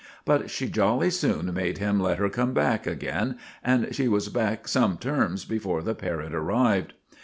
But she jolly soon made him let her come back again, and she was back some terms before the parrot arrived.